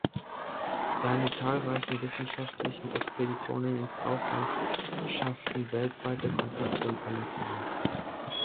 Seine zahlreichen wissenschaftlichen Expeditionen ins Ausland schafften weltweite Kontakte und Anerkennung.